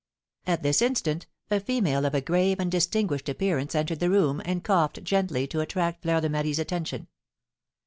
At this instant a female of a grave and distinguished appearance entered the room, and coughed gently to attract Fleur de Marie's attention.